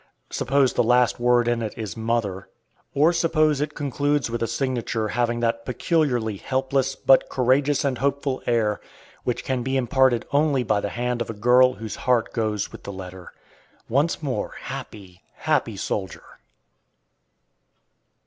Suppose the last word in it is "Mother." Or suppose it concludes with a signature having that peculiarly helpless, but courageous and hopeful air, which can be imparted only by the hand of a girl whose heart goes with the letter! Once more, happy, happy soldier!